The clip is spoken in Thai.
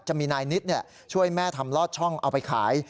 จะมีนายนิดช่วยแม่ทำลอดช่องเอาไปขาย